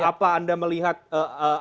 eh eh apa yang anda lihat di balik dari ini